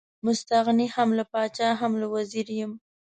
مستغني هم له پاچا هم له وزیر یم.